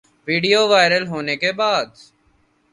video viral ہونے کے بعد